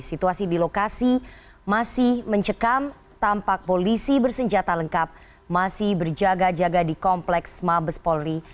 situasi di lokasi masih mencekam tampak polisi bersenjata lengkap masih berjaga jaga di kompleks mabes polri